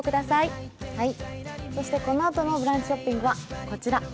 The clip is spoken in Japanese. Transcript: そしてこのあとの「ブランチショッピング」はこちら。